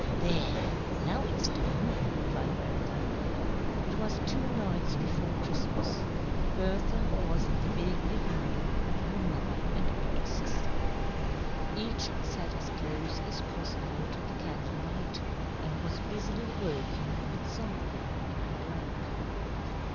There, now it's done!" cried Bertha. It was two nights before Christmas. Bertha was in the big living room with her mother and older sister. Each sat as close as possible to the candle light, and was busily working on something in her lap.